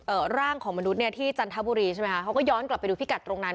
ร่างของมนุษย์เนี้ยที่จันทบุรีใช่ไหมคะเขาก็ย้อนกลับไปดูพิกัดตรงนั้น